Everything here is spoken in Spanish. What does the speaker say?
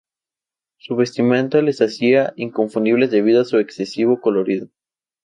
Su vestimenta les hacía inconfundibles debido a su excesivo colorido.